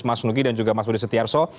mas nugi dan juga mas budi setiarso